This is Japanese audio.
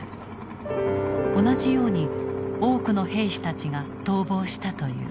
同じように多くの兵士たちが逃亡したという。